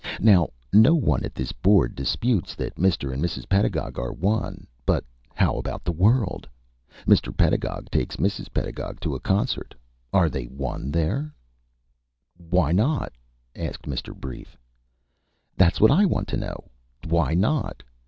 Now no one at this board disputes that Mr. and Mrs. Pedagog are one, but how about the world? Mr. Pedagog takes Mrs. Pedagog to a concert. Are they one there?" "Why not?" asked Mr. Brief. "That's what I want to know why not?